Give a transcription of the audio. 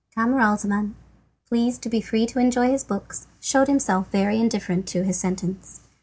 Camaralzaman, pleased to be free to enjoy his books, showed himself very indifferent to his sentence.